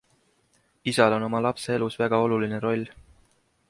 Isal on oma lapse elus väga oluline roll.